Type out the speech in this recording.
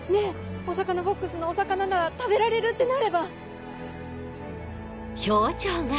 お魚ボックスのお魚なら食べられるってなれば！